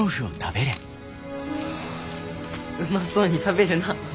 うまそうに食べるな。